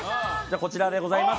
こちらでございます。